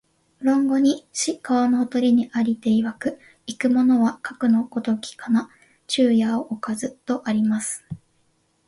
論語に、「子、川のほとりに在りていわく、逝く者はかくの如きかな、昼夜をおかず」とあります